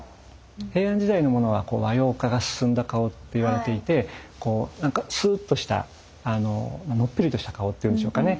平安時代のものは和様化が進んだ顔っていわれていて何かスーッとしたのっぺりとした顔っていうんでしょうかね。